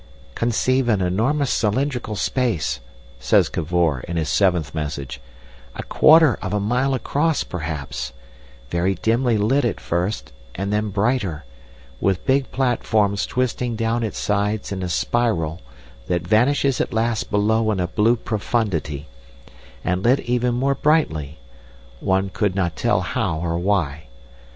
"Conceive an enormous cylindrical space," says Cavor, in his seventh message, "a quarter of a mile across, perhaps; very dimly lit at first and then brighter, with big platforms twisting down its sides in a spiral that vanishes at last below in a blue profundity; and lit even more brightly—one could not tell how or why.